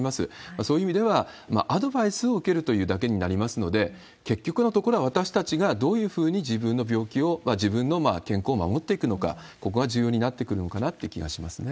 そういう意味では、アドバイスを受けるというだけになりますので、結局のところは私たちがどういうふうに自分の病気を、自分の健康を守っていくのか、ここが重要になってくるのかなというような気がしますね。